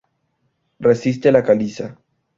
Resiste la caliza.